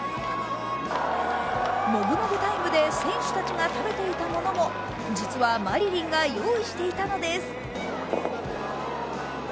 もぐもぐタイムで選手たちが食べていたものも実はマリリンが用意していたのです。